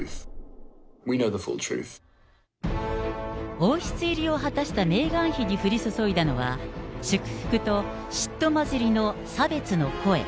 王室入りを果たしたメーガン妃に降り注いだのは、祝福と嫉妬交じりの差別の声。